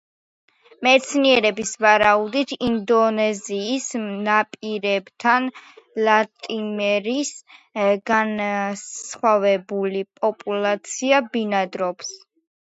მეცნიერების ვარაუდით ინდონეზიის ნაპირებთან ლატიმერიის განსხვავებული პოპულაცია ბინადრობს.